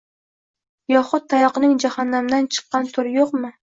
Yoxud tayoqning jahannamdan chiqqan turi yo'qmi?